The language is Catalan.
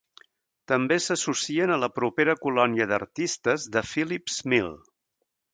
També s'associen a la propera colònia d'artistes de Phillips Mill.